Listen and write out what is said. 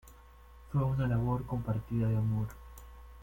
Fue una labor compartida de amor.